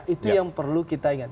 itu yang perlu kita ingat